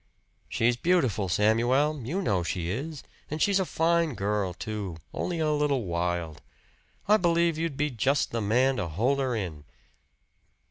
"She's beautiful, Samuel you know she is. And she's a fine girl, too only a little wild. I believe you'd be just the man to hold her in."